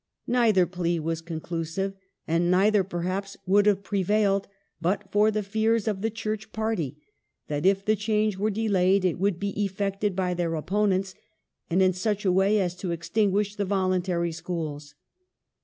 Neither plea was conclusive, and neither perhaps would have pre vailed but for the fears of the Church party that if the change were delayed it would be effected by their opponents and in such a way as to extinguish the Voluntary schools.